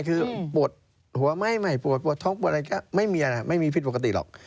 คือปวดหัวไหม้ใหม่ปวดปวดท้องปวดอะไรก็ไม่มีนะไม่มีผิดปกติหรอก